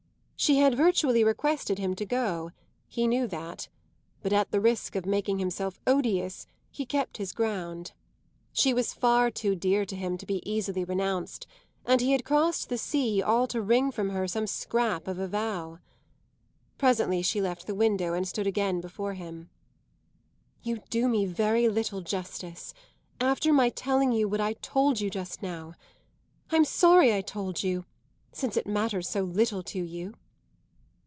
She had virtually requested him to go he knew that; but at the risk of making himself odious he kept his ground. She was far too dear to him to be easily renounced, and he had crossed the sea all to wring from her some scrap of a vow. Presently she left the window and stood again before him. "You do me very little justice after my telling you what I told you just now. I'm sorry I told you since it matters so little to you."